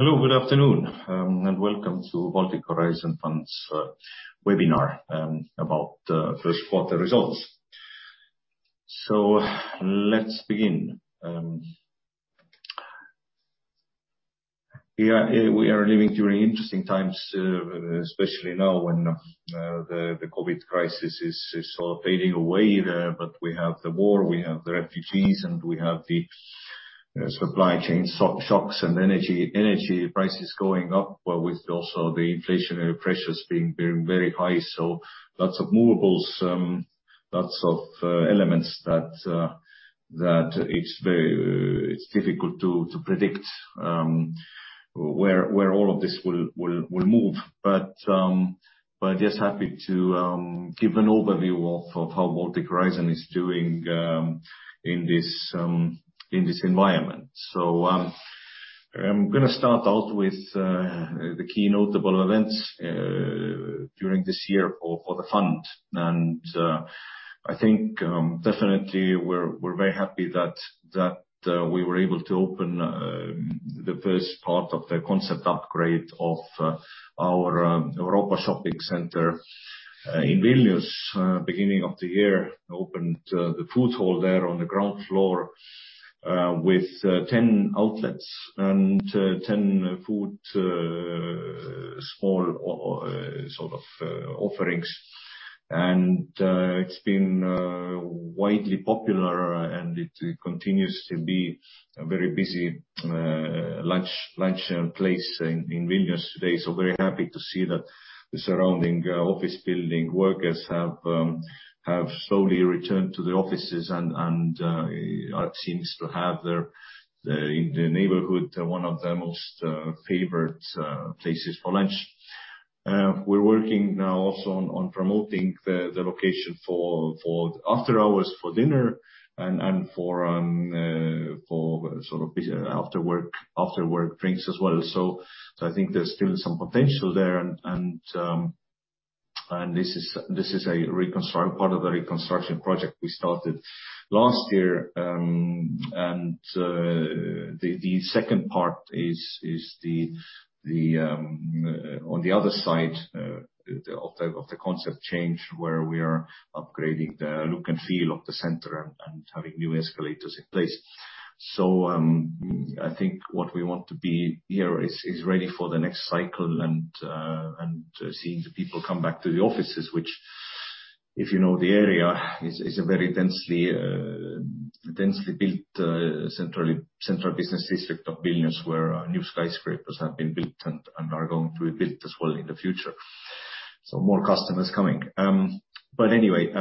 Hello, good afternoon, and welcome to Baltic Horizon Fund's webinar about first quarter results. Let's begin. We are living during interesting times, especially now when the COVID crisis is sort of fading away. We have the war, we have the refugees, and we have the supply chain shocks and energy prices going up, but with also the inflationary pressures being very high. Lots of variables, lots of elements that it's very difficult to predict where all of this will move. Just happy to give an overview of how Baltic Horizon is doing in this environment. I'm gonna start out with the key notable events during this year for the fund. I think definitely we're very happy that we were able to open the first part of the concept upgrade of our Europa Shopping Center in Vilnius. Beginning of the year opened the food hall there on the ground floor with 10 outlets and 10 food small sort of offerings. It's been widely popular, and it continues to be a very busy lunch place in Vilnius today. Very happy to see that the surrounding office building workers have slowly returned to the offices and seems to have their in the neighborhood, one of their most favored places for lunch. We're working now also on promoting the location for after hours, for dinner and for sort of after work drinks as well. I think there's still some potential there. This is a part of the reconstruction project we started last year. The second part is the on the other side of the concept change, where we are upgrading the look and feel of the center and having new escalators in place. I think what we want to be here is ready for the next cycle and seeing the people come back to the offices, which if you know the area is a very densely built central business district of Vilnius where new skyscrapers have been built and are going to be built as well in the future. More customers coming. Anyway,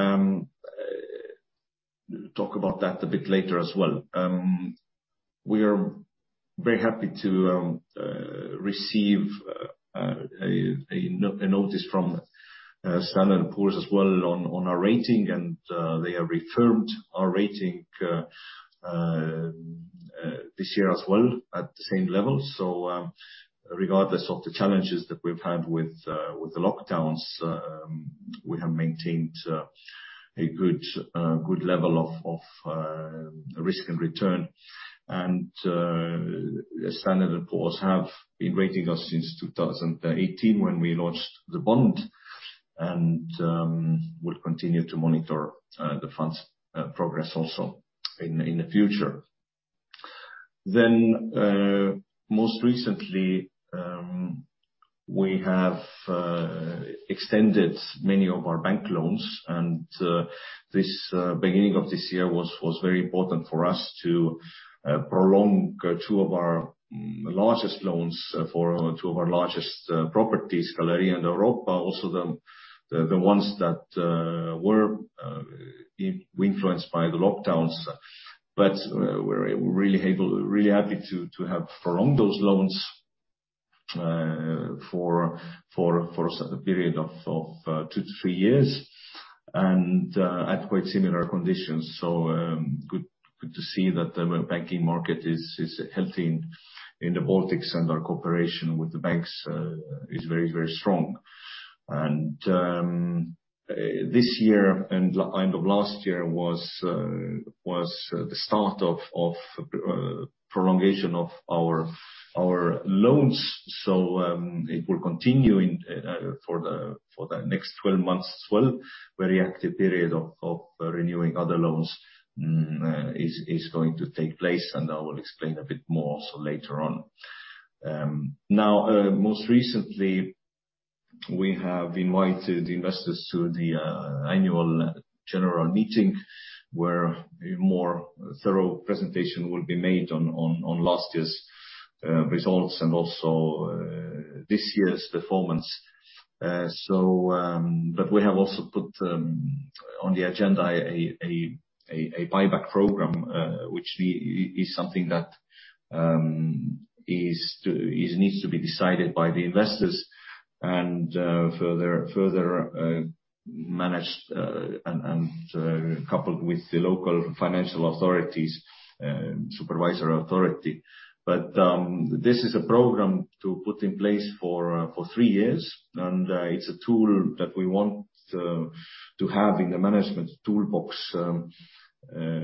talk about that a bit later as well. We are very happy to receive a notice from Standard & Poor's as well on our rating. They have reaffirmed our rating this year as well at the same level. Regardless of the challenges that we've had with the lockdowns, we have maintained a good level of risk and return. Standard & Poor's have been rating us since 2018 when we launched the bond. We'll continue to monitor the fund's progress also in the future. Most recently, we have extended many of our bank loans and the beginning of this year was very important for us to prolong two of our largest loans for two of our largest properties, Galerija and Europa, also the ones that were influenced by the lockdowns. We're really happy to have prolonged those loans for a period of two to three years and at quite similar conditions. Good to see that the banking market is healthy in the Baltics, and our cooperation with the banks is very very strong. This year and end of last year was the start of prolongation of our loans. It will continue in for the next 12 months as well. Very active period of renewing other loans is going to take place, and I will explain a bit more so later on. Now, most recently we have invited investors to the Annual General Meeting, where a more thorough presentation will be made on last year's results and also this year's performance. We have also put on the agenda a buyback program, which is something that needs to be decided by the investors and further managed and coupled with the local financial supervisory authority. This is a program to put in place for three years. It's a tool that we want to have in the management toolbox,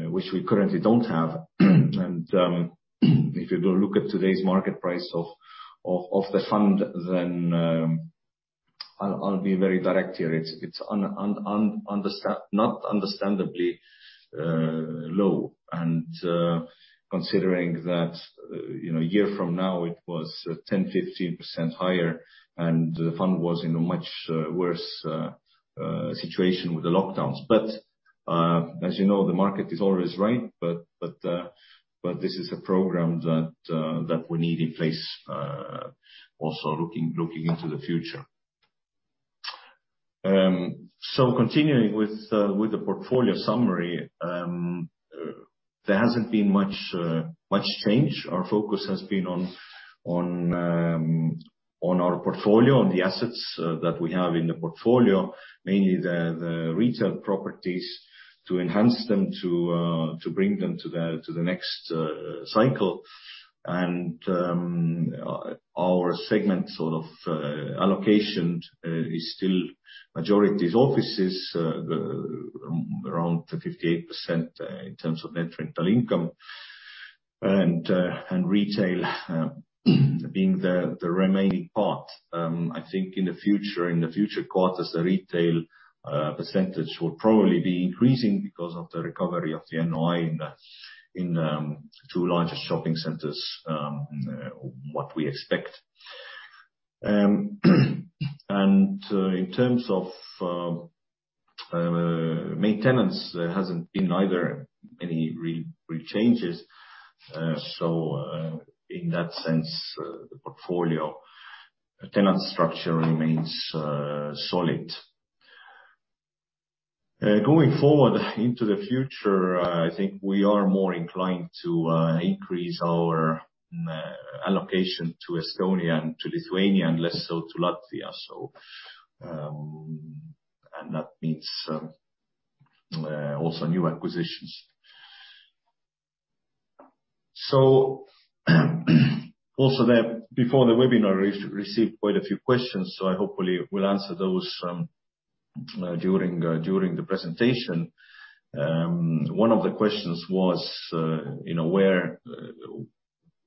which we currently don't have. If you go look at today's market price of the fund, then I'll be very direct here. It's not understandably low and considering that, you know, a year from now it was 10%, 15% higher and the fund was in a much worse situation with the lockdowns. As you know, the market is always right, but this is a program that we need in place also looking into the future. Continuing with the portfolio summary, there hasn't been much change. Our focus has been on our portfolio, on the assets that we have in the portfolio, mainly the retail properties to enhance them to bring them to the next cycle. Our segment sort of allocation is still majority's offices around the 58% in terms of net rental income. Retail being the remaining part. I think in the future quarters, the retail percentage will probably be increasing because of the recovery of the NOI in two largest shopping centers what we expect. In terms of maintenance, there hasn't been either any changes. In that sense, the portfolio tenant structure remains solid. Going forward into the future, I think we are more inclined to increase our allocation to Estonia and to Lithuania and less so to Latvia. That means also new acquisitions. Before the webinar we received quite a few questions, so I hopefully will answer those during the presentation. One of the questions was, you know, where,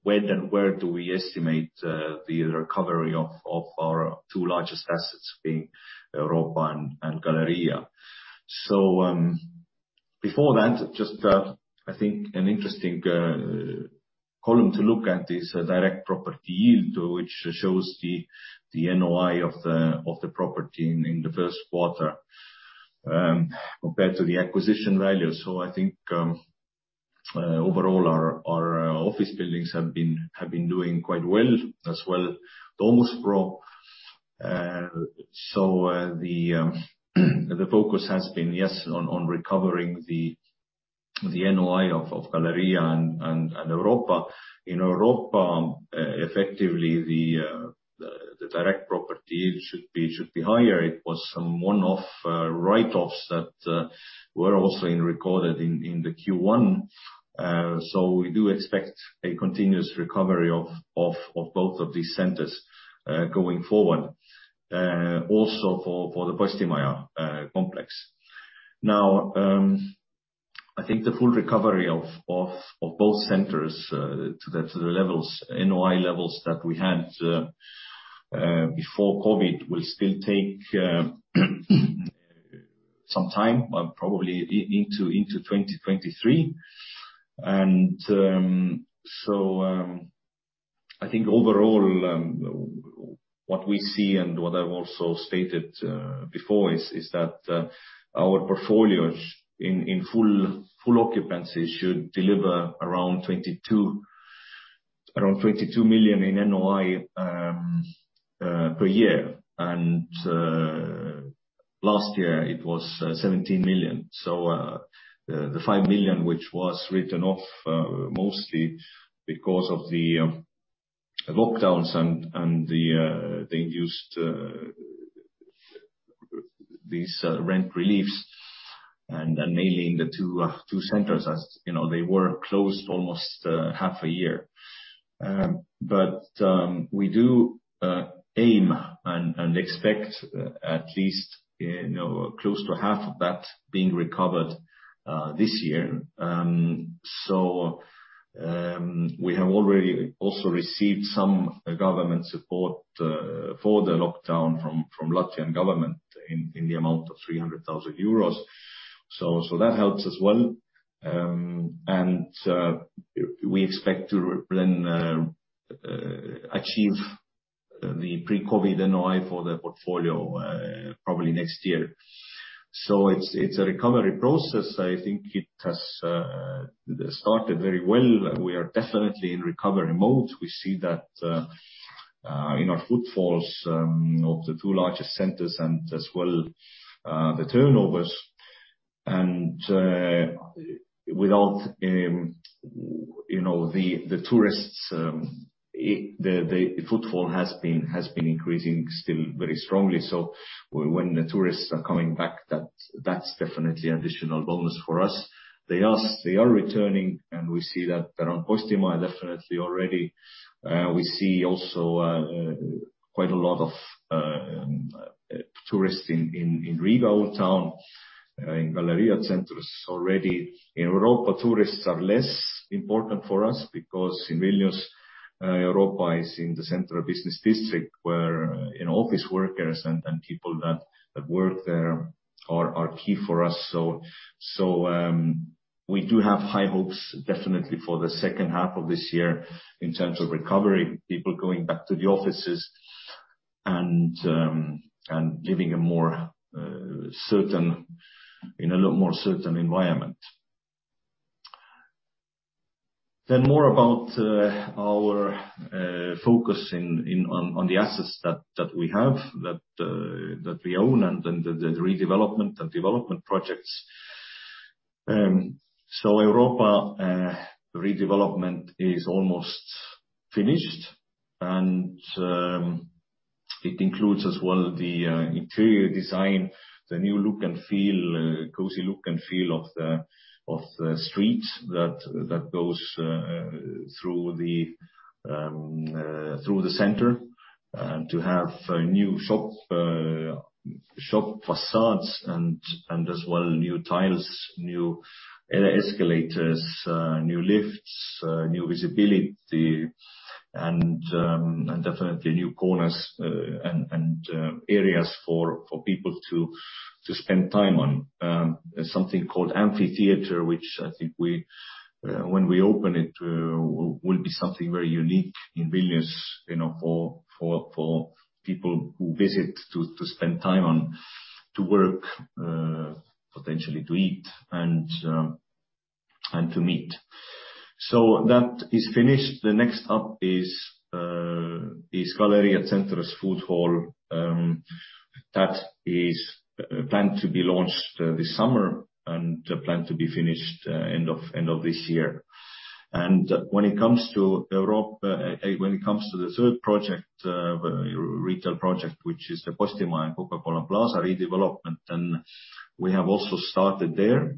when and where do we estimate the recovery of our two largest assets being Europa and Galerija. Before that, just I think an interesting column to look at is direct property yield, which shows the NOI of the property in the first quarter compared to the acquisition value. I think overall our office buildings have been doing quite well, as well Domus PRO. The focus has been on recovering the NOI of Galerija and Europa. In Europa, effectively the direct property yield should be higher. It was some one-off write-offs that were also recorded in the Q1. We do expect a continuous recovery of both of these centers going forward, also for the Postimaja complex. Now, I think the full recovery of both centers to the NOI levels that we had before COVID will still take some time, probably into 2023. I think overall, what we see and what I've also stated before is that our portfolios in full occupancy should deliver around 22 million in NOI per year. Last year it was 17 million. The 5 million which was written off mostly because of the lockdowns and they used these rent reliefs and mainly in the two centers, as you know, they were closed almost half a year. We do aim and expect at least, you know, close to half of that being recovered this year. We have already also received some government support for the lockdown from Latvian government in the amount of 300,000 euros. That helps as well. We expect to then achieve the pre-COVID NOI for the portfolio probably next year. It's a recovery process. I think it has started very well. We are definitely in recovery mode. We see that, in our footfalls, of the two largest centers and as well, the turnovers. Without, you know, the tourists, the footfall has been increasing still very strongly. When the tourists are coming back, that's definitely additional bonus for us. They are returning, and we see that around Postimaja definitely already. We see also, quite a lot of, tourists in Riga Old Town, in Galerija Centrs already. In Europa, tourists are less important for us because in Vilnius, Europa is in the center of business district where, you know, office workers and people that work there are key for us. We do have high hopes definitely for the second half of this year in terms of recovery, people going back to the offices and living a more certain, in a lot more certain environment. More about our focus in on the assets that we have, that we own, and the redevelopment and development projects. Europa redevelopment is almost finished, and it includes as well the interior design, the new look and feel, cozy look and feel of the streets that goes through the center. To have a new shop facades and as well new tiles, new escalators, new lifts, new visibility and definitely new corners, and areas for people to spend time on. Something called amphitheatre, which I think, when we open it, will be something very unique in Vilnius, you know, for people who visit to spend time on, to work, potentially to eat and to meet. That is finished. The next up is Galerija Centrs Food Hall. That is planned to be launched this summer and planned to be finished end of this year. When it comes to the third project, retail project, which is the Postimaja and Coca-Cola Plaza redevelopment, we have also started there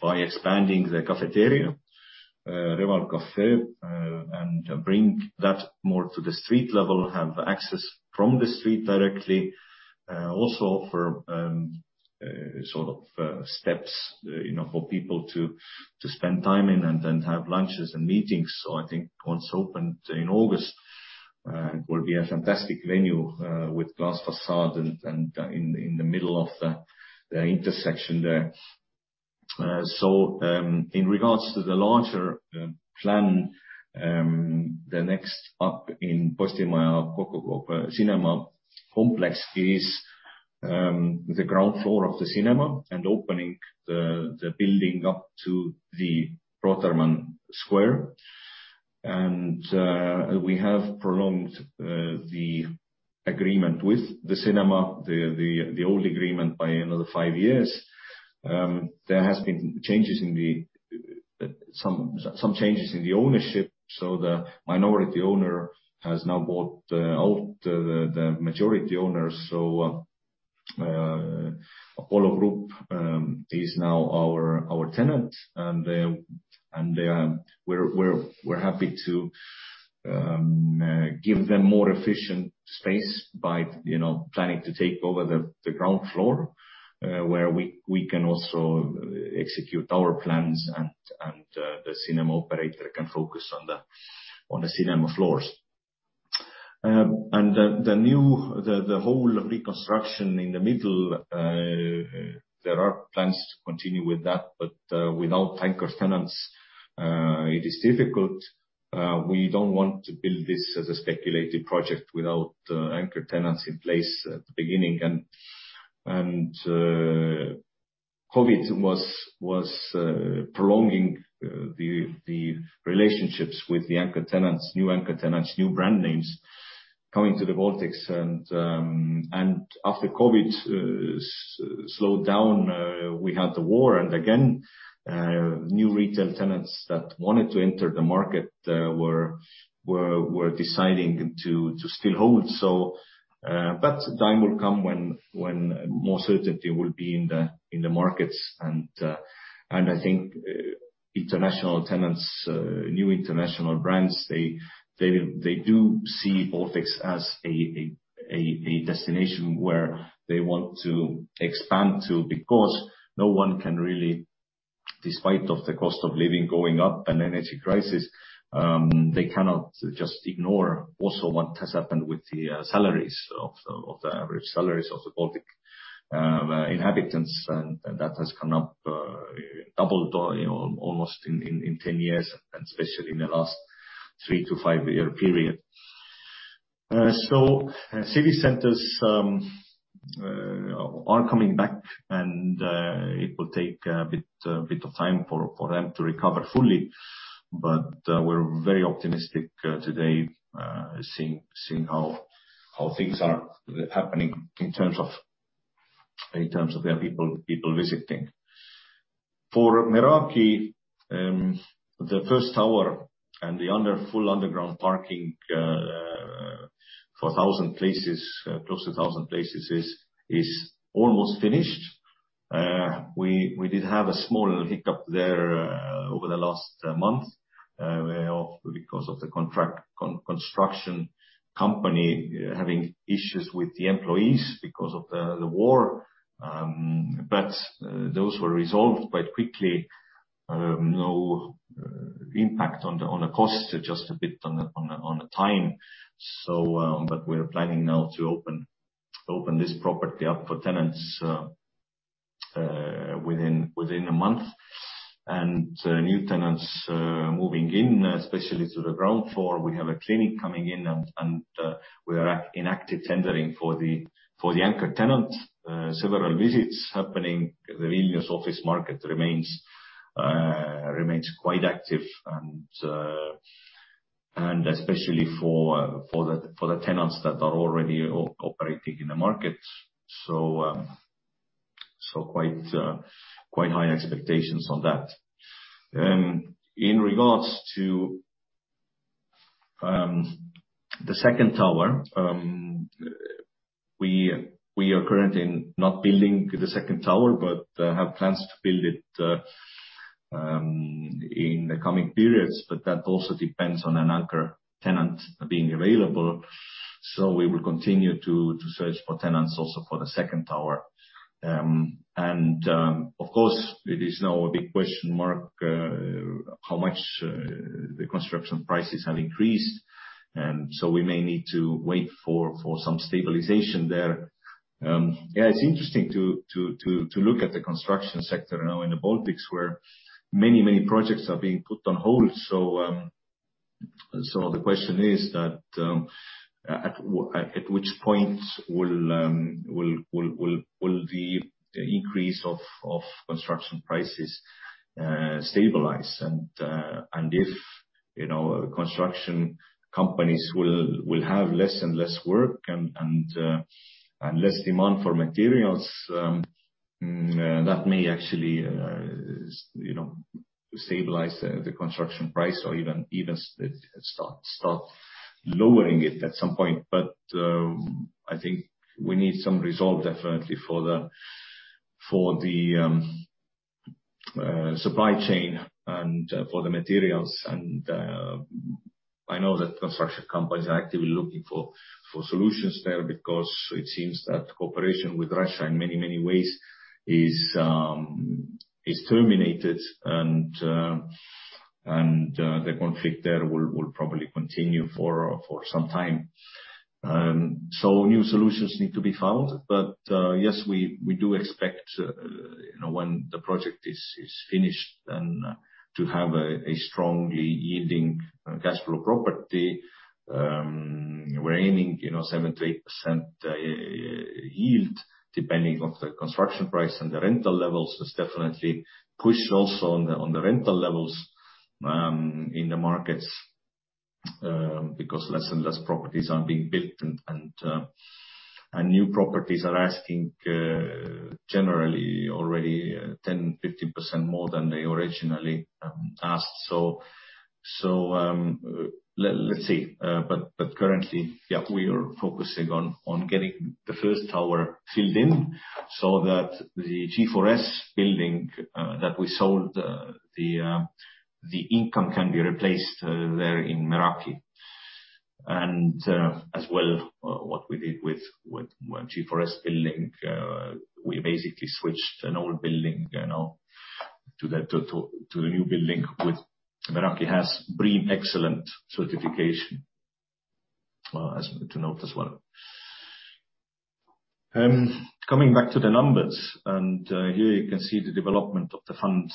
by expanding the cafeteria, Reval Café, and bring that more to the street level, have access from the street directly. Also for sort of steps, you know, for people to spend time in and have lunches and meetings. I think once opened in August, it will be a fantastic venue with glass facade and in the middle of the intersection there. In regards to the larger plan, the next up in Postimaja Coca-Cola Plaza complex is the ground floor of the cinema and opening the building up to the Rotermann Square. We have prolonged the agreement with the cinema, the old agreement by another five years. There has been some changes in the ownership. The minority owner has now bought out the majority owners. Apollo Group is now our tenant, and we're happy to give them more efficient space by, you know, planning to take over the ground floor, where we can also execute our plans and the cinema operator can focus on the cinema floors. The whole reconstruction in the middle, there are plans to continue with that, but without anchor tenants, it is difficult. We don't want to build this as a speculative project without anchor tenants in place at the beginning. COVID was prolonging the relationships with the anchor tenants, new anchor tenants, new brand names coming to the Baltics. After COVID slowed down, we had the war. And again, new retail tenants that wanted to enter the market were deciding to still hold. That's the time will come when more certainty will be in the markets. I think international tenants, new international brands, they do see Baltics as a destination where they want to expand to because no one can really, despite the cost of living going up and energy crisis, they cannot just ignore also what has happened with the salaries of the average salaries of the Baltic inhabitants. That has come up doubled, you know, almost in 10 years and especially in the last three to five year period. City centers are coming back, and it will take a bit of time for them to recover fully. We're very optimistic today, seeing how things are happening in terms of their people visiting. For Meraki, the first tower and the full underground parking for 1,000 places, close to 1,000 places is almost finished. We did have a small little hiccup there over the last month because of the construction company having issues with the employees because of the war. Those were resolved quite quickly. No impact on the cost just a bit on the time. We're planning now to open this property up for tenants within a month. New tenants moving in, especially to the ground floor. We have a clinic coming in and we are in active tendering for the anchor tenant. Several visits happening. The Vilnius office market remains quite active and especially for the tenants that are already operating in the market. Quite high expectations on that. In regards to the second tower, we are currently not building the second tower, but have plans to build it in the coming periods, but that also depends on an anchor tenant being available. We will continue to search for tenants also for the second tower. Of course, it is now a big question mark how much the construction prices have increased. We may need to wait for some stabilization there. Yeah, it's interesting to look at the construction sector now in the Baltics where many projects are being put on hold. The question is that at which point will the increase of construction prices stabilize. If, you know, construction companies will have less and less work and less demand for materials, that may actually, you know, stabilize the construction price or even start lowering it at some point. I think we need some resolve definitely for the supply chain and for the materials. I know that construction companies are actively looking for solutions there because it seems that cooperation with Russia in many ways is terminated and the conflict there will probably continue for some time. New solutions need to be found. Yes, we do expect, you know, when the project is finished then to have a strongly yielding cash flow property. We're aiming, you know, 7%-8% yield depending on the construction price and the rental levels. It's definitely pushed also on the rental levels in the markets because less and less properties are being built and new properties are asking generally already 10%,15% more than they originally asked. Let's see. Currently, yeah, we are focusing on getting the first tower filled in so that the G4S building that we sold the income can be replaced there in Meraki. As well, what we did with G4S building, we basically switched an old building, you know, to a new building with Meraki has BREEAM Excellent certification, as to note as well. Coming back to the numbers, and here you can see the development of the fund,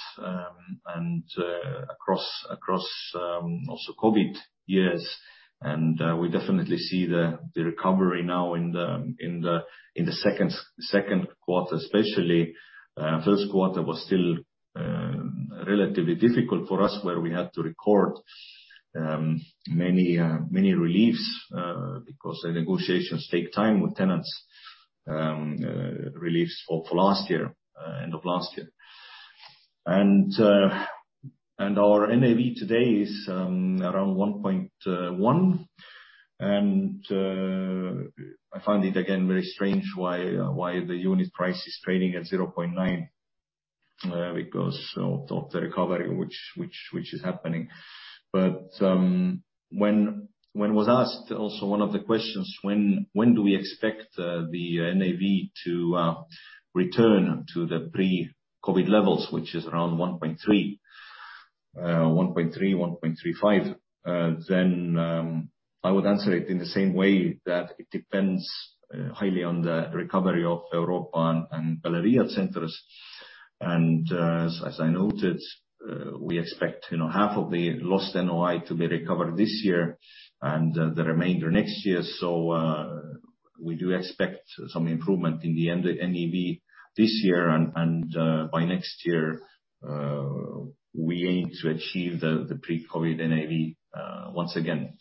and across also COVID years. We definitely see the recovery now in the second quarter especially. First quarter was still relatively difficult for us, where we had to record many reliefs because the negotiations take time with tenants, reliefs for last year, end of last year. Our NAV today is around 1.1. I find it again very strange why the unit price is trading at 0.9 because of the recovery which is happening. When we were asked also one of the questions, when do we expect the NAV to return to the pre-COVID levels, which is around 1.3-1.35, then I would answer it in the same way that it depends highly on the recovery of Europa and Galerija Centrs. As I noted, we expect, you know, half of the lost NOI to be recovered this year and the remainder next year. We do expect some improvement in the end of NAV this year and by next year we aim to achieve the pre-COVID NAV once again.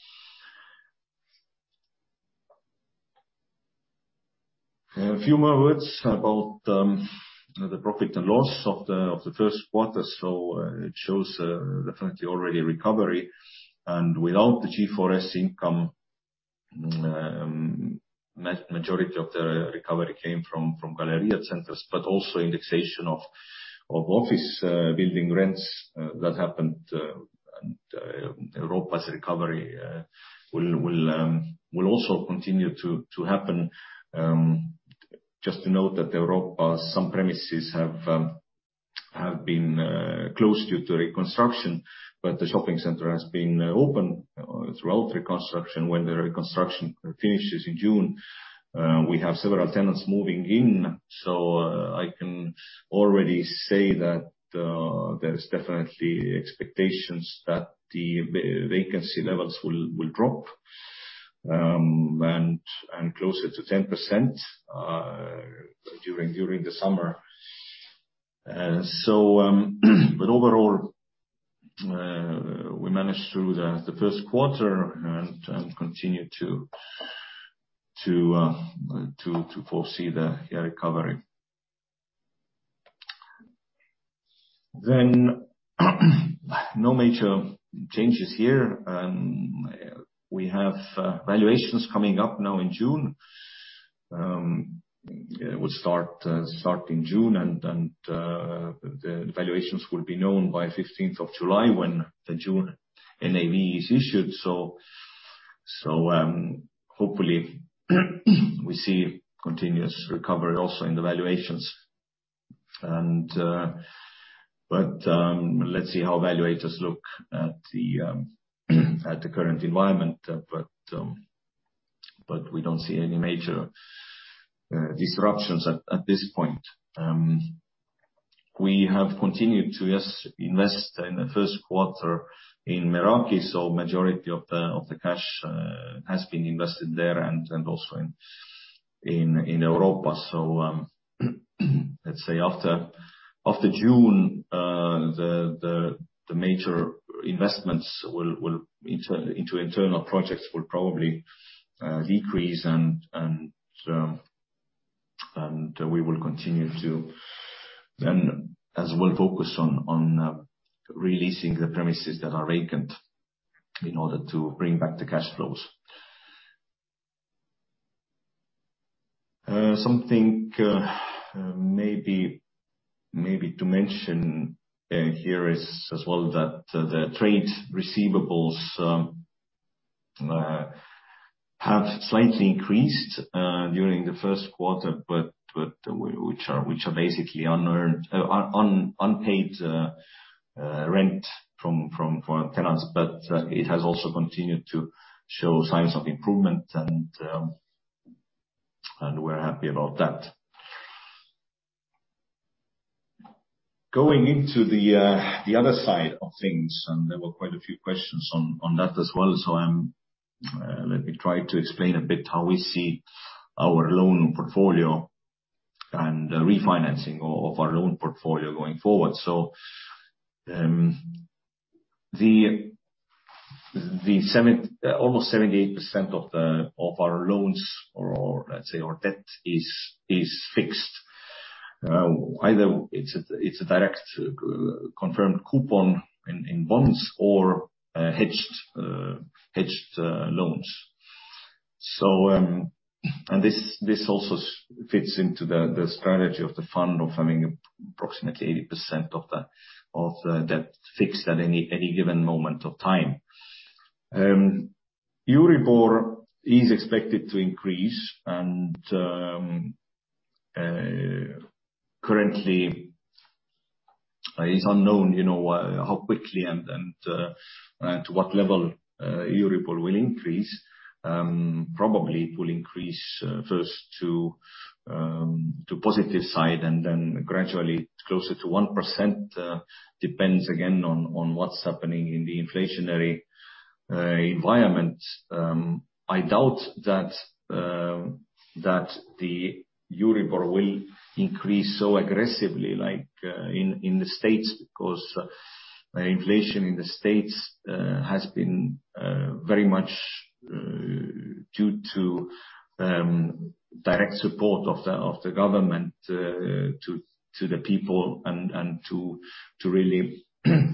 A few more words about the profit and loss of the first quarter. It shows definitely already recovery. Without the G4S income, majority of the recovery came from Galerija Centrs, but also indexation of office building rents that happened and Europa's recovery will also continue to happen. Just to note that Europa some premises have been closed due to reconstruction, but the shopping center has been open throughout reconstruction. When the reconstruction finishes in June, we have several tenants moving in. I can already say that there's definitely expectations that the vacancy levels will drop, and closer to 10%, during the summer. Overall, we managed through the first quarter and continue to foresee the recovery. No major changes here. We have valuations coming up now in June. It will start in June, and the valuations will be known by 15th of July when the June NAV is issued. Hopefully we see continuous recovery also in the valuations. Let's see how valuators look at the current environment. We don't see any major disruptions at this point. We have continued to invest in the first quarter in Meraki, so majority of the cash has been invested there and also in Europa. Let's say after June, the major investments into internal projects will probably decrease and we will continue to focus on releasing the premises that are vacant in order to bring back the cash flows. Something to mention here as well that the trade receivables have slightly increased during the first quarter, but which are basically unpaid rent from tenants. It has also continued to show signs of improvement, and we're happy about that. Going into the other side of things, and there were quite a few questions on that as well. Let me try to explain a bit how we see our loan portfolio and refinancing of our loan portfolio going forward. Almost 78% of our loans or let's say our debt is fixed. Either it's a direct confirmed coupon in bonds or hedged loans. This also fits into the strategy of the fund of having approximately 80% of the debt fixed at any given moment of time. EURIBOR is expected to increase, and currently is unknown, you know, how quickly and to what level EURIBOR will increase. Probably it will increase first to positive side and then gradually closer to 1%, depends again on what's happening in the inflationary environment. I doubt that the EURIBOR will increase so aggressively like in the States, because inflation in the States has been very much due to direct support of the government to the people and to really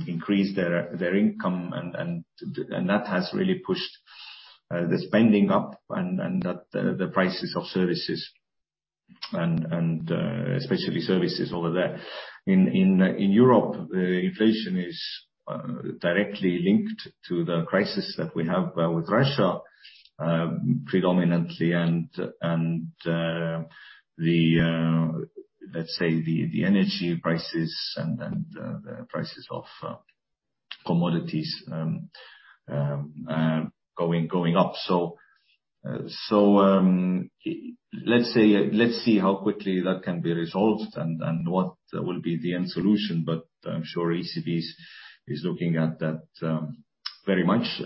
increase their income and that has really pushed the spending up and the prices of services and especially services over there. In Europe, the inflation is directly linked to the crisis that we have with Russia predominantly and let's say the energy prices and the prices of commodities going up. Let's see how quickly that can be resolved and what will be the end solution, but I'm sure ECB is looking at that very much.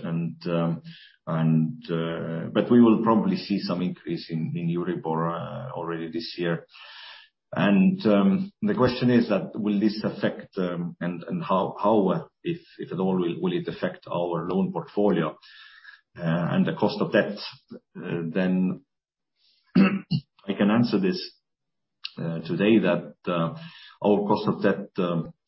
We will probably see some increase in EURIBOR already this year. The question is that will this affect and how, if at all, will it affect our loan portfolio and the cost of debt? Then I can answer this today that our cost of debt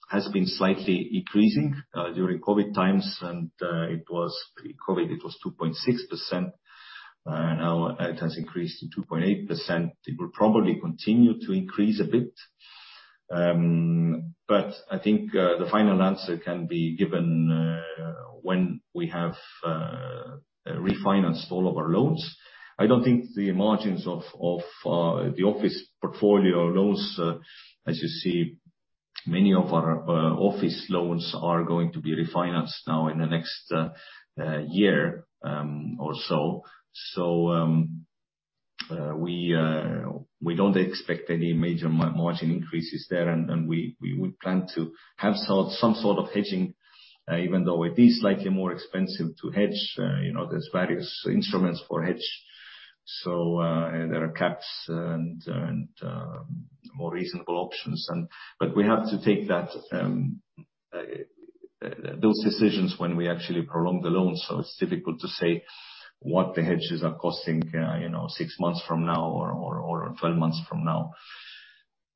has been slightly increasing during COVID times, and it was pre-COVID, it was 2.6%. Now it has increased to 2.8%. It will probably continue to increase a bit. I think the final answer can be given when we have refinanced all of our loans. I don't think the margins of the office portfolio loans, as you see, many of our office loans are going to be refinanced now in the next year or so. We don't expect any major margin increases there, and we would plan to have some sort of hedging even though it is slightly more expensive to hedge. You know, there's various instruments for hedge, so there are caps and more reasonable options. We have to take those decisions when we actually prolong the loan, so it's difficult to say what the hedges are costing, you know, six months from now or 12 months from now.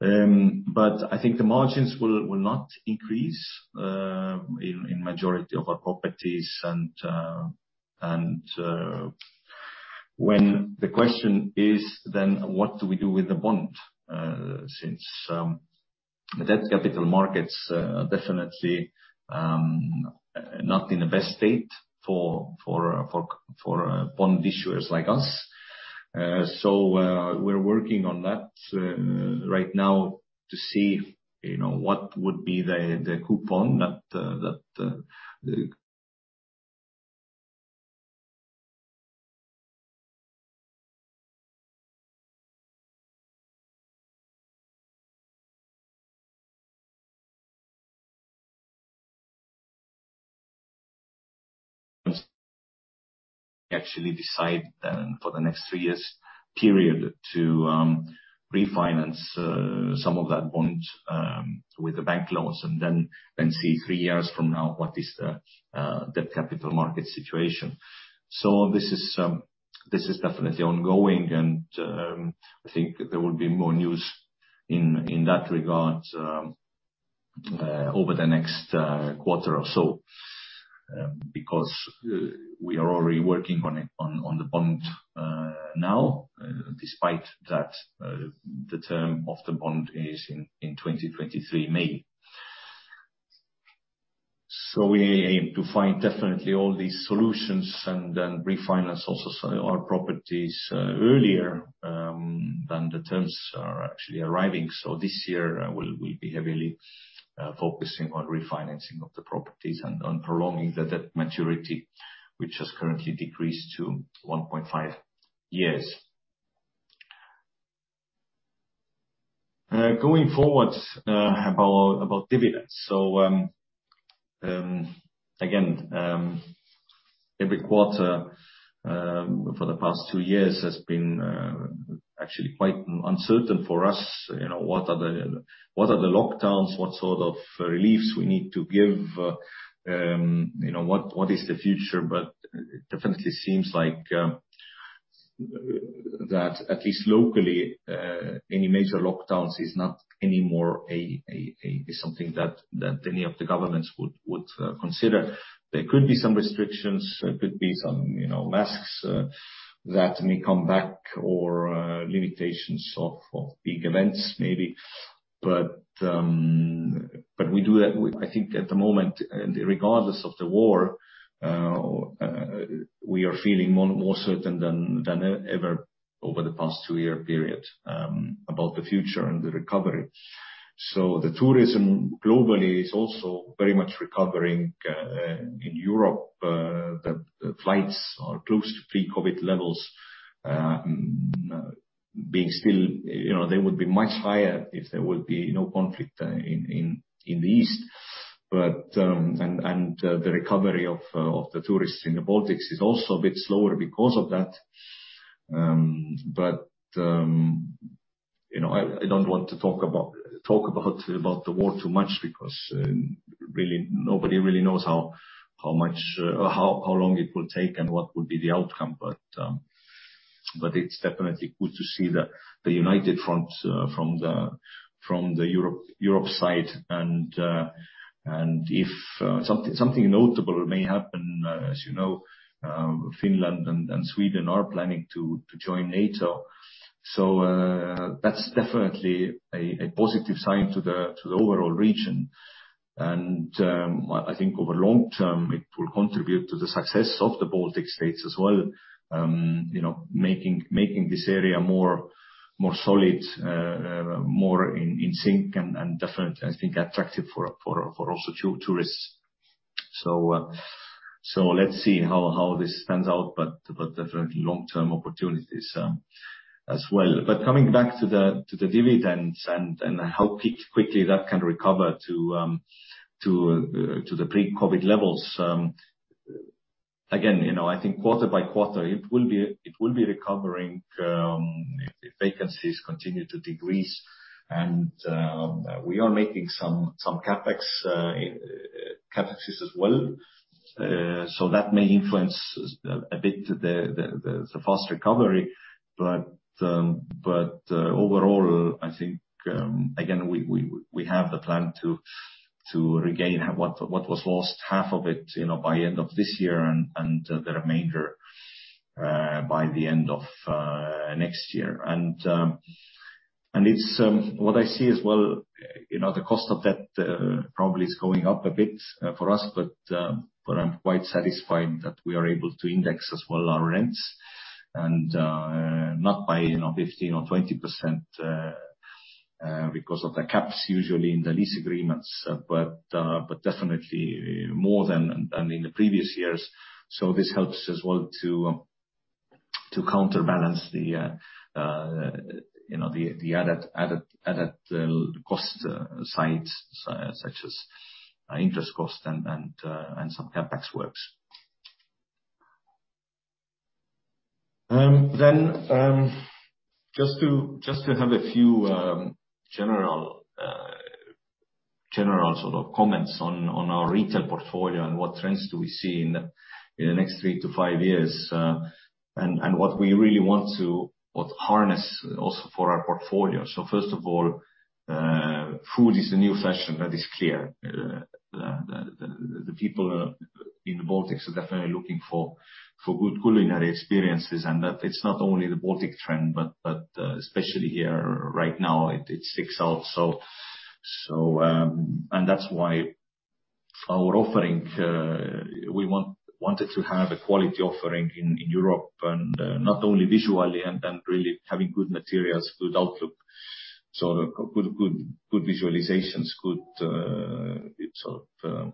I think the margins will not increase in majority of our properties and when the question is then what do we do with the bond, since the debt capital markets are definitely not in the best state for bond issuers like us. We're working on that right now to see, you know, what would be the coupon that we actually decide then for the next three-year period to refinance some of that bond with the bank loans and then see three years from now what is the capital market situation. This is definitely ongoing and I think there will be more news in that regard over the next quarter or so, because we are already working on it, on the bond now, despite that the term of the bond is in May 2023. We aim to find definitely all these solutions and then refinance also so our properties earlier than the terms are actually arriving. This year, we'll be heavily focusing on refinancing of the properties and on prolonging the debt maturity, which has currently decreased to 1.5 years. Going forward, about dividends. Again, every quarter for the past two years has been actually quite uncertain for us. You know, what are the lockdowns, what sort of reliefs we need to give, you know, what is the future? It definitely seems like that at least locally, any major lockdowns is not anymore a is something that any of the governments would consider. There could be some restrictions, there could be some, you know, masks that may come back or limitations of big events maybe. I think at the moment, regardless of the war, we are feeling more certain than ever over the past two-year period about the future and the recovery. The tourism globally is also very much recovering in Europe. The flights are close to pre-COVID levels, being still. You know, they would be much higher if there would be no conflict in the east. The recovery of the tourists in the Baltics is also a bit slower because of that. You know, I don't want to talk about the war too much because really, nobody really knows how much or how long it will take and what would be the outcome. It's definitely good to see the united front from the European side. If something notable may happen, as you know, Finland and Sweden are planning to join NATO. That's definitely a positive sign to the overall region. I think over long term, it will contribute to the success of the Baltic States as well, you know, making this area more solid, more in sync and definitely, I think, attractive for also tourists. Let's see how this pans out, but definitely long-term opportunities as well. Coming back to the dividends and how quickly that can recover to the pre-COVID levels. Again, you know, I think quarter by quarter it will be recovering, if vacancies continue to decrease and we are making some CapEx as well. So that may influence a bit the fast recovery. Overall, I think, again, we have the plan to regain what was lost, 0.5 Of it, you know, by end of this year and the remainder by the end of next year. It's what I see as well, you know, the cost of that probably is going up a bit for us, but I'm quite satisfied that we are able to index as well our rents and not by, you know, 15% or 20%, because of the caps usually in the lease agreements. Definitely more than in the previous years. This helps as well to counterbalance the added costs such as interest cost and some CapEx works. Just to have a few general sort of comments on our retail portfolio and what trends do we see in the next three to five years, and what we really want to sort of harness also for our portfolio. First of all, food is the new fashion, that is clear. The people in the Baltics are definitely looking for good culinary experiences, and that it's not only the Baltic trend, but especially here right now, it sticks out. That's why our offering, we wanted to have a quality offering in Europa and not only visually and then really having good materials, good outlook. Sort of a couple of good visualizations, good sort of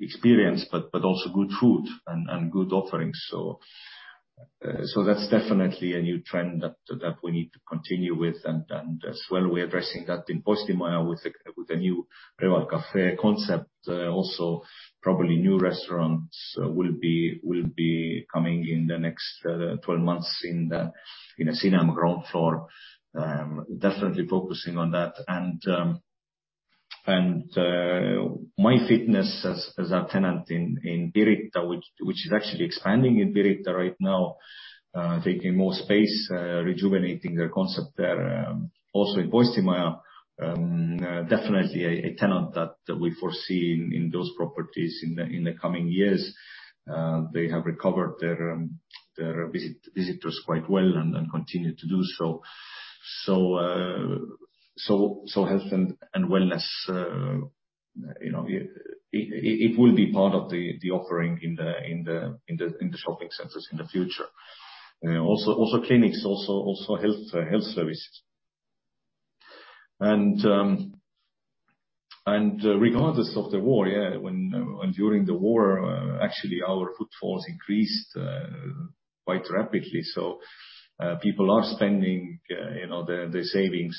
experience, but also good food and good offerings. That's definitely a new trend that we need to continue with. As well, we're addressing that in Postimaja with a new Reval Café concept. Also probably new restaurants will be coming in the next 12 months in the cinema ground floor. Definitely focusing on that. MyFitness as a tenant in Pirita, which is actually expanding in Pirita right now, taking more space, rejuvenating their concept there, also in Postimaja. Definitely a tenant that we foresee in those properties in the coming years. They have recovered their visitors quite well and continue to do so. Health and wellness, you know, it will be part of the offering in the shopping centers in the future. Also clinics, also health services. Regardless of the war, when and during the war, actually our footfalls increased quite rapidly. People are spending, you know, their savings.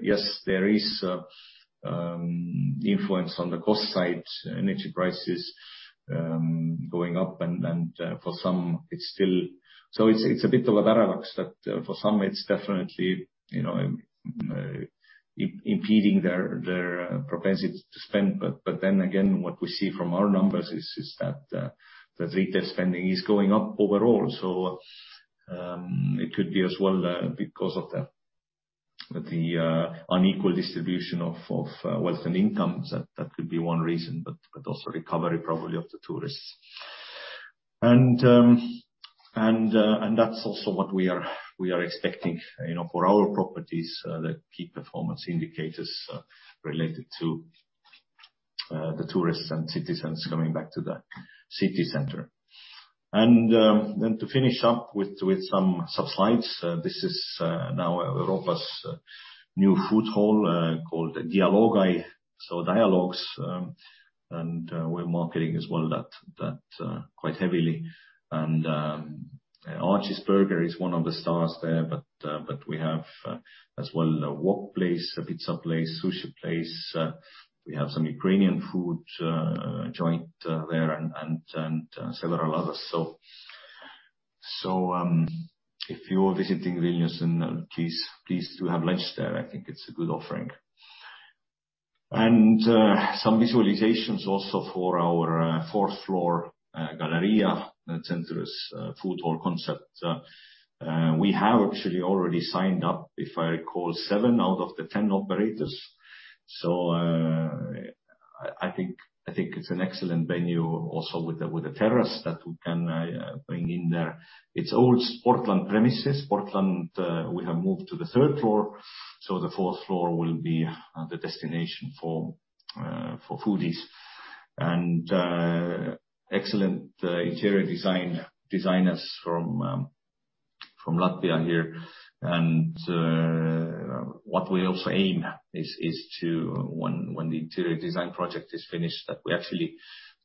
Yes, there is influence on the cost side, energy prices going up. It's a bit of a paradox that for some it's definitely, you know, impeding their propensity to spend. Then again, what we see from our numbers is that the retail spending is going up overall. It could be as well because of the unequal distribution of wealth and incomes. That could be one reason, but also recovery probably of the tourists. That's also what we are expecting, you know, for our properties, the key performance indicators related to the tourists and citizens coming back to the city center. Then to finish up with some slides, this is now Europa's new food hall, called Dialogai, so dialogues, and we're marketing as well that quite heavily. Archie's Burger is one of the stars there. We have as well a wok place, a pizza place, sushi place. We have some Ukrainian food joint there and several others. If you're visiting Vilnius, please do have lunch there. I think it's a good offering. Some visualizations also for our fourth floor, Galerija Centrs food hall concept. We have actually already signed up, if I recall, seven out of the 10 operators. I think it's an excellent venue also with the terrace that we can bring in there. It's old Sportland premises. Sportland we have moved to the third floor, so the fourth floor will be the destination for foodies. Excellent interior design, designers from Latvia here. What we also aim is to, when the interior design project is finished, that we actually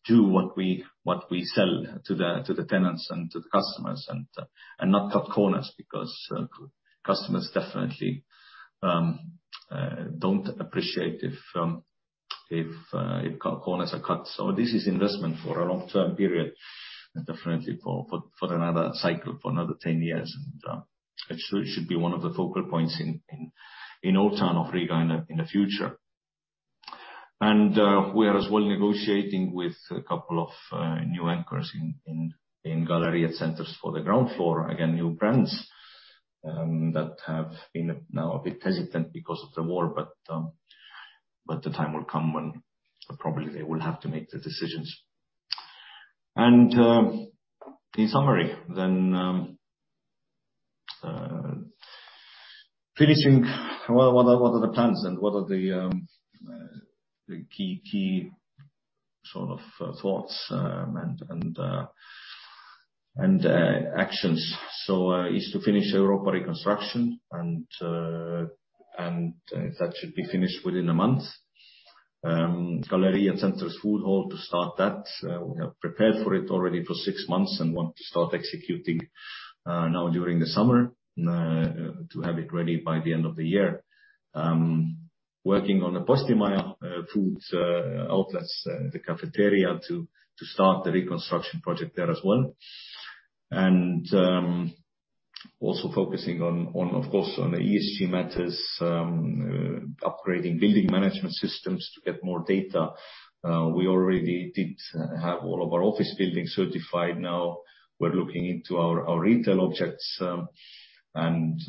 do what we sell to the tenants and to the customers and not cut corners because customers definitely don't appreciate if corners are cut. This is investment for a long-term period, definitely for another cycle, for another 10 years. It should be one of the focal points in Old Town of Riga in the future. We are as well negotiating with a couple of new anchors in Galerija Centrs for the ground floor. Again, new brands that have been now a bit hesitant because of the war, but the time will come when probably they will have to make the decisions. In summary, then, finishing what are the plans and what are the key sort of thoughts and actions. Is to finish Europa reconstruction and that should be finished within a month. Galerija Centrs food hall to start that. We have prepared for it already for six months and want to start executing now during the summer to have it ready by the end of the year. Working on the Postimaja food outlets, the cafeteria to start the reconstruction project there as well. Also focusing on, of course, on the ESG matters, upgrading building management systems to get more data. We already did have all of our office buildings certified. Now we're looking into our retail objects and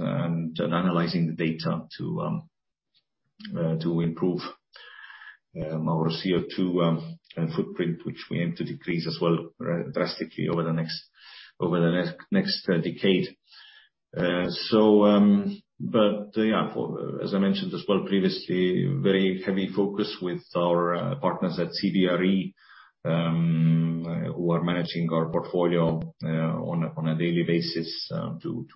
analyzing the data to improve our CO2 footprint, which we aim to decrease as well drastically over the next decade. As I mentioned as well previously, very heavy focus with our partners at CBRE, who are managing our portfolio on a daily basis to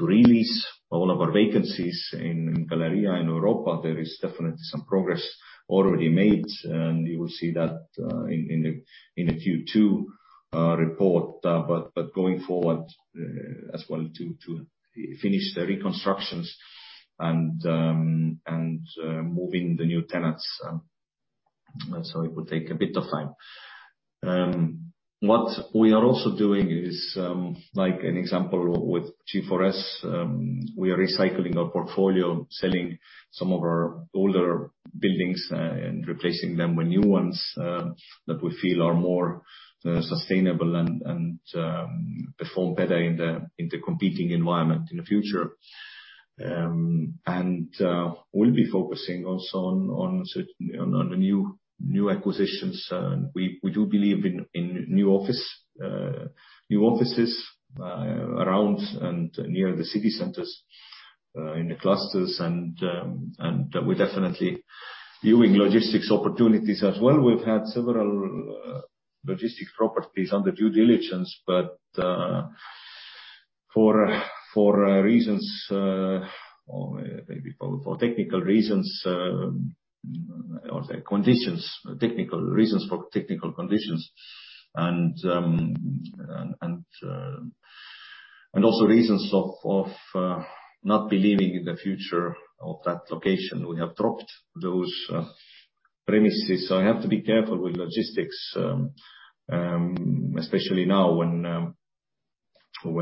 lease all of our vacancies in Galerija and Europa. There is definitely some progress already made, and you will see that in the Q2 report. Going forward, as well to finish the reconstructions and moving the new tenants, so it will take a bit of time. What we are also doing is, like an example with G4S, we are recycling our portfolio, selling some of our older buildings, and replacing them with new ones that we feel are more sustainable and perform better in the competing environment in the future. We'll be focusing also on the new acquisitions. We do believe in new offices around and near the city centers in the clusters. We're definitely viewing logistics opportunities as well. We've had several logistics properties under due diligence, but for reasons or maybe for technical reasons or the conditions, technical reasons for technical conditions, and also reasons of not believing in the future of that location. We have dropped those premises. I have to be careful with logistics, especially now when you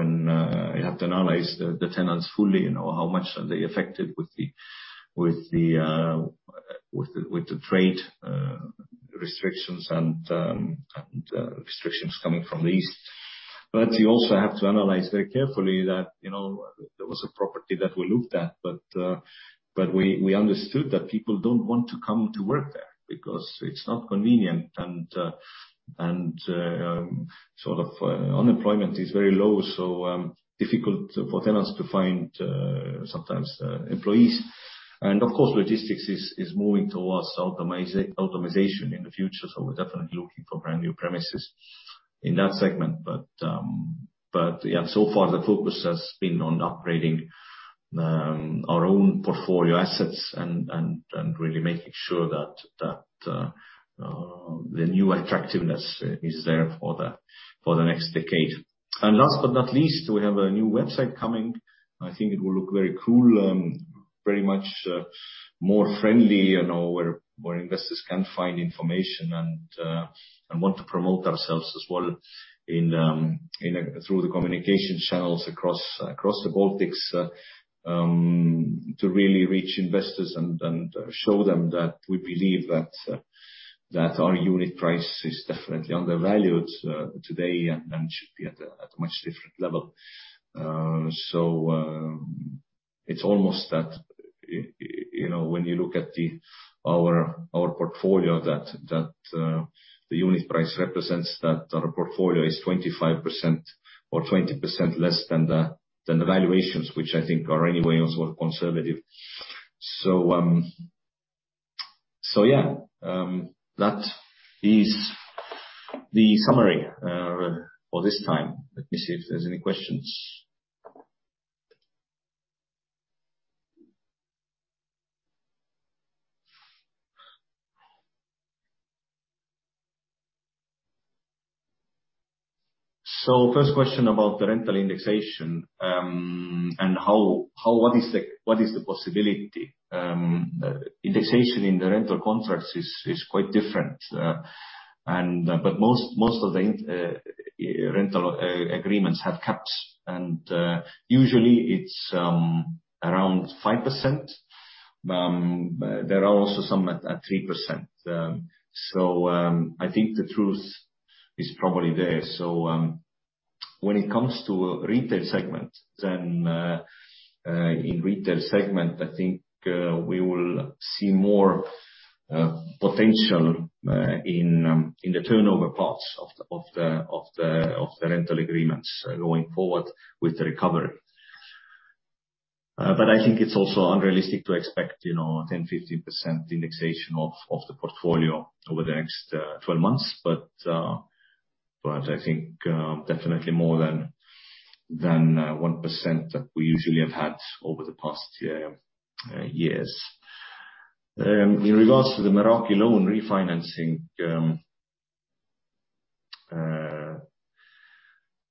have to analyze the tenants fully. You know, how much are they affected with the trade restrictions and restrictions coming from the east. You also have to analyze very carefully that, you know, there was a property that we looked at, but we understood that people don't want to come to work there because it's not convenient and sort of unemployment is very low, so difficult for tenants to find sometimes employees. Of course, logistics is moving towards automation in the future, so we're definitely looking for brand-new premises in that segment. Yeah, so far the focus has been on upgrading our own portfolio assets and really making sure that the new attractiveness is there for the next decade. Last but not least, we have a new website coming. I think it will look very cool, very much more friendly, you know, where investors can find information and want to promote ourselves as well through the communication channels across the Baltics to really reach investors and show them that we believe that our unit price is definitely undervalued today and should be at a much different level. It's almost that, you know, when you look at our portfolio that the unit price represents that our portfolio is 25% or 20% less than the valuations which I think are anyway also conservative. Yeah, that is the summary for this time. Let me see if there's any questions. First question about the rental indexation, and how what is the possibility? Indexation in the rental contracts is quite different. Most of the rental agreements have caps, and usually it's around 5%. There are also some at 3%. I think the truth is probably there. When it comes to retail segment, then, in retail segment, I think we will see more potential in the turnover parts of the rental agreements going forward with the recovery. I think it's also unrealistic to expect, you know, 10, 15% indexation of the portfolio over the next 12 months. I think definitely more than 1% that we usually have had over the past years. In regards to the Meraki loan refinancing,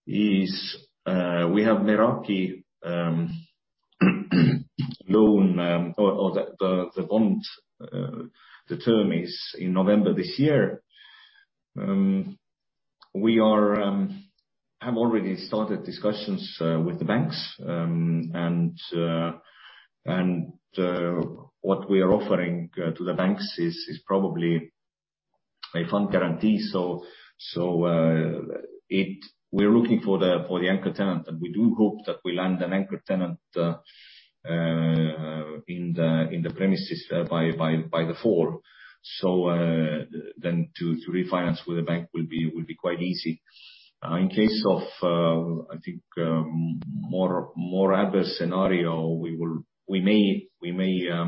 we have the Meraki loan or the bond, the term is in November this year. We have already started discussions with the banks. What we are offering to the banks is probably a fund guarantee. We're looking for the anchor tenant, and we do hope that we land an anchor tenant in the premises by the fall. To refinance with the bank will be quite easy. In case of a more adverse scenario, we may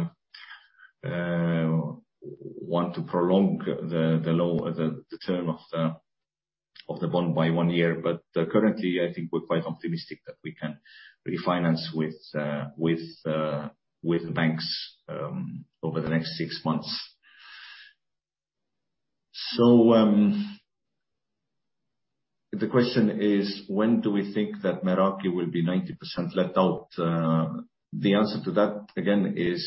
want to prolong the term of the bond by one year. Currently, I think we're quite optimistic that we can refinance with banks over the next six months. The question is, when do we think that Meraki will be 90% let out? The answer to that, again, is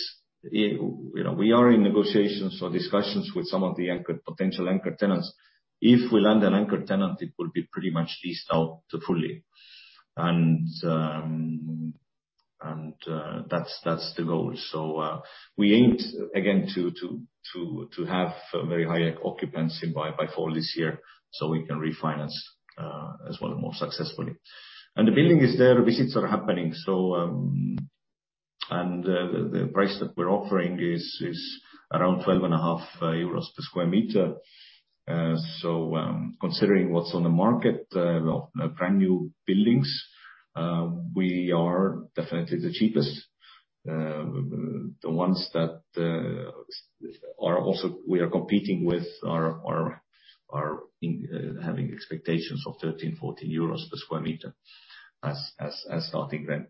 you know, we are in negotiations or discussions with some of the potential anchor tenants. If we land an anchor tenant, it will be pretty much leased out fully. That's the goal. We aim again to have a very high occupancy by fall this year, so we can refinance as well more successfully. The building is there. Visits are happening, the price that we're offering is around 12.5 euros per square meter. Considering what's on the market, brand new buildings, we are definitely the cheapest. The ones that we are also competing with are having expectations of 13, 14 euros per square meter as starting rent.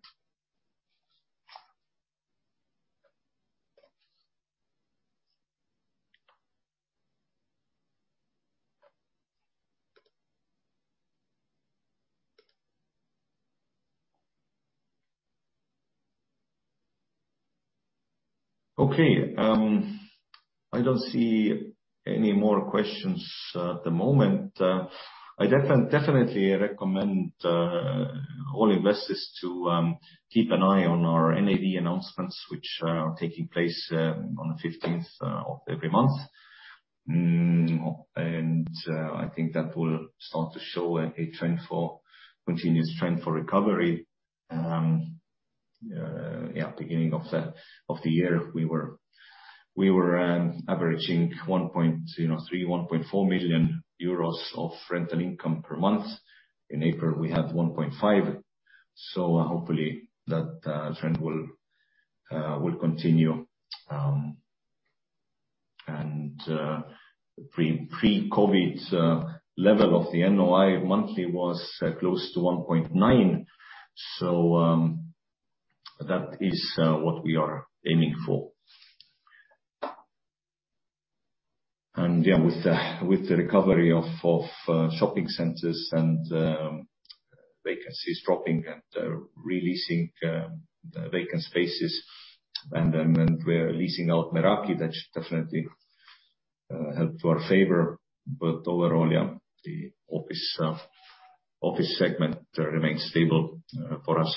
Okay, I don't see any more questions at the moment. I definitely recommend all investors to keep an eye on our NAV announcements, which are taking place on the fifteenth of every month. I think that will start to show a continuous trend for recovery. Beginning of the year, we were averaging 1.3, 1.4 million euros of rental income per month. In April, we had 1.5 million. Hopefully that trend will continue. Pre-COVID level of the NOI monthly was close to 1.9 million. That is what we are aiming for. With the recovery of shopping centers and vacancies dropping and re-leasing vacant spaces, and we're leasing out Meraki, that should definitely help to our favor. Overall, the office segment remains stable for us.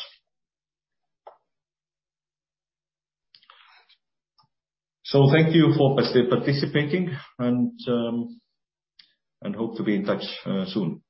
Thank you for participating, and hope to be in touch soon.